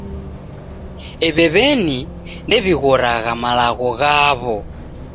Ew'e w'eni ndewighoragha malagho ghaw'o.